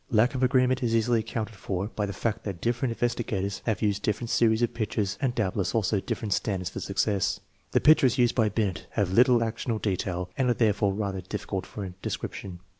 Lack of agreement is easily accounted for by the fact that different investigators have used different series of pictures and doubtless also different standards for success. The pictures used by Binet have little action or detail and are therefore rather difficult for description.